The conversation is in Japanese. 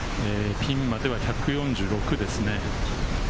ピンまでは１４６ですね。